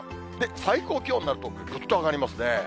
最高気温になると、ぐっと上がりますね。